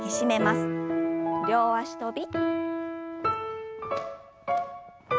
両脚跳び。